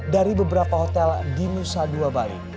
dari beberapa hotel di nusa dua bali